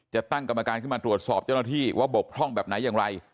จะตั้งกรรมการขึ้นมาตรวจสอบเจ้าหน้าที่ว่าบกพร่องแบบไหนอย่างไร